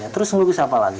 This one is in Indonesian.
terus melukis apa lagi